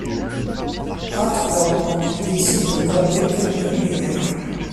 À trois, ils décident de camper près d'une rivière.